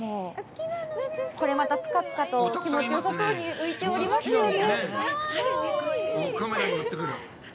これまたぷかぷかと、気持ちよさそうに浮いておりますよね。